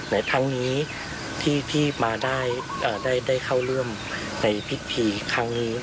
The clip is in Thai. ในครั้งนี้ที่มาได้เข้าร่วมในพิธีครั้งนี้